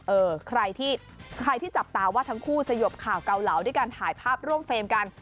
เออใครที่ใครที่จับตาว่าทั้งคู่สยบข่าวเกาเหลาด้วยการถ่ายภาพร่วมเฟรมกัน